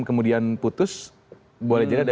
kemudian putus boleh jadi ada